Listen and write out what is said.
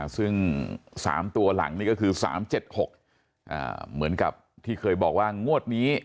ซึ่ง๓ตัวหลังนี่ก็คือ๓๗๖เหมือนกับที่เคยบอกว่างวดนี้